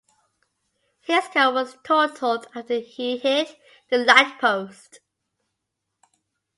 His car was totaled after he hit the light post.